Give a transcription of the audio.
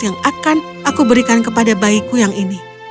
yang akan aku berikan kepada bayiku yang ini